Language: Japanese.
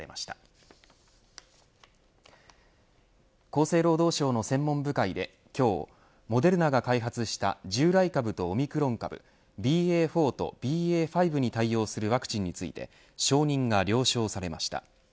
厚生労働省の専門部会で、今日モデルナが開発した従来株とオミクロン株ＢＡ．４とＢＡ．５に対応するワクチンについて承認が了承されました。